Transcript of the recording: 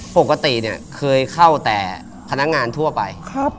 ปกติเนี่ยเคยเข้าแต่พนักงานทั่วไป